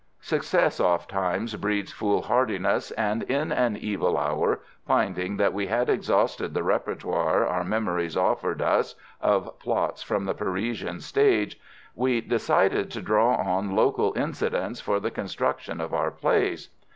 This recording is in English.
Success ofttimes breeds foolhardiness, and in an evil hour, finding that we had exhausted the répertoire our memories offered us, of plots from the Parisian stage, we decided to draw on local incidents for the construction of our plays.